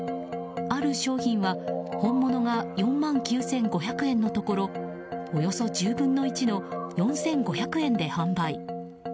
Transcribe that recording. ある商品は本物が４万９５００円のところおよそ１０分の１の４５００円で販売。